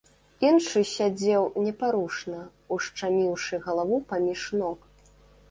Іншы сядзеў непарушна, ушчаміўшы галаву паміж ног.